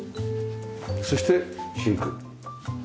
そしてシンク。